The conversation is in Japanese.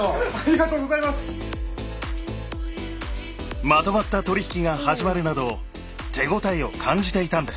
まとまった取り引きが始まるなど手応えを感じていたんです。